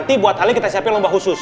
nanti buat alih kita siapin lomba khusus